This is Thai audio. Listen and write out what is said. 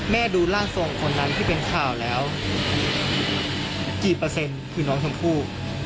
ดูร่างทรงคนนั้นที่เป็นข่าวแล้วกี่เปอร์เซ็นต์คือน้องชมพู่